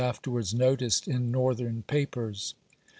afterwards noticed in Northern papers."